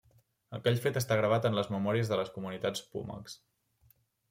Aquell fet està gravat en les memòries de les comunitats pomacs.